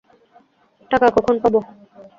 টাকা কখন পাবো?